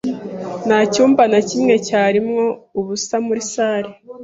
Nta cyumba na kimwe cyarimo ubusa muri salle.